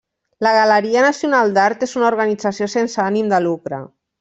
La Galeria Nacional d'Art és una organització sense ànim de lucre.